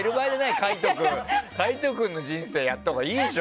海人君の人生やったほうがいいでしょ。